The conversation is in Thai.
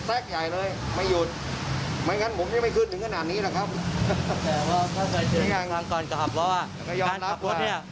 แปลกใหญ่เลยไม่หยุดไม่งั้นผมยังไม่ขึ้นถึงขนาดนี้แหละครับ